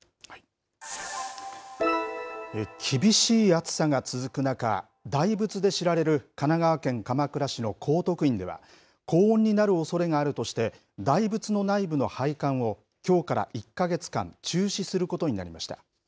厳しい暑さが続く中、大仏で知られる神奈川県鎌倉市の高徳院では、高温になるおそれがあるとして、大仏の内部の拝観をきょうから１か月間中止することになりました。